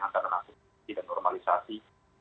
antara naturalisasi dan normalisasi